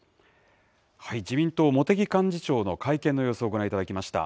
自民党、茂木幹事長の会見の様子をご覧いただきました。